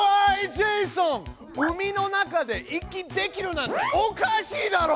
ジェイソン海の中で息できるなんておかしいだろ！